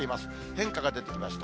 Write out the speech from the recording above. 変化が出てきました。